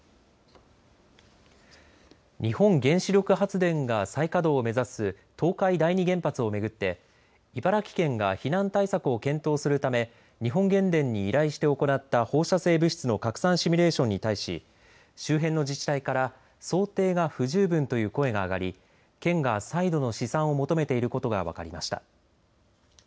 日本原子力発電が再稼働を目指す東海第二原発を巡って茨城県が避難対策を検討するため日本原電に依頼して行った放射性物質の拡散シミュレーションに対し周辺の自治体から想定が不十分という声が上がり県が再度の試算を求めていることが分かりました。